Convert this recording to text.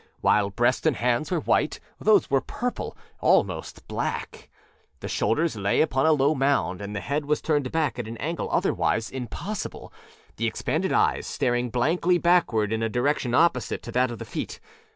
While breast and hands were white, those were purpleâalmost black. The shoulders lay upon a low mound, and the head was turned back at an angle otherwise impossible, the expanded eyes staring blankly backward in a direction opposite to that of the feet.